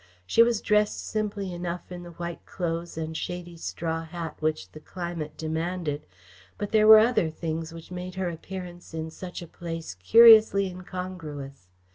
She was dressed simply enough in the white clothes and shady straw hat which the climate demanded, but there were other things which made her appearance in such a place curiously incongruous.